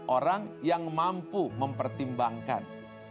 orang yang mampu mempertimbangkan